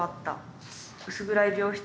薄暗い病室。